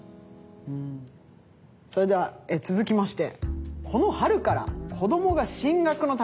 それでは続きまして。